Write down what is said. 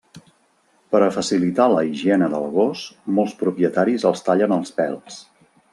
Per a facilitar la higiene del gos, molts propietaris els tallen els pèls.